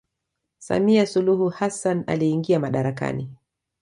Samia suluhu Hasasn aliingia madarakani